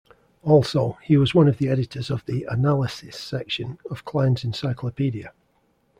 Also, he was one of the editors of the "Analysis" section of Klein's encyclopedia.